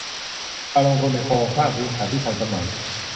การลงทุนในโครงสร้างพื้นฐานที่ทันสมัย